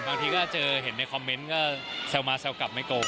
บางทีก็เจอเห็นในคอมเมนต์ก็แซวมาแซวกลับไม่โกง